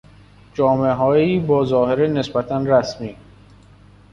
جامههایی با ظاهر نسبتا رسمی